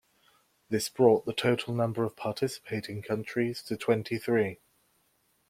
This brought the total number of participating countries to twenty-three.